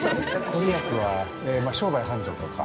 ◆ご利益は商売繁盛とか。